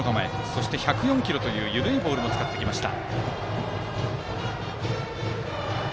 そして１０４キロという緩いボールでした。